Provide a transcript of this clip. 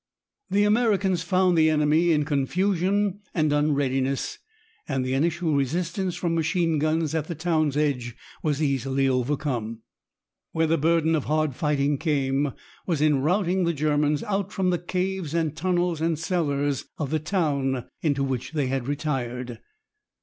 The Americans found the enemy in confusion and unreadiness, and the initial resistance from machine guns at the town's edge was easily overcome. Where the burden of hard fighting came was in routing the Germans out from the caves and tunnels and cellars of the town into which they had retired.